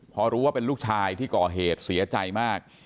พอรู้ว่าเป็นลูกชายที่ก่อเหตุเสียใจมาก